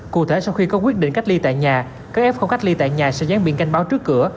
cụ thể sau khi có quyết định cách ly tại nhà các f cách ly tại nhà sẽ gián biện canh báo trước cửa